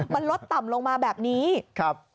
มันลดต่ำลงมาแบบนี้ครับ